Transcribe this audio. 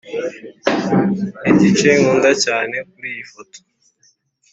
igice nkunda cyane kuri iyi foto